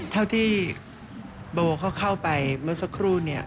เท่าที่โบเขาเข้าไปเมื่อสักครู่เนี่ย